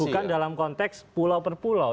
bukan dalam konteks pulau per pulau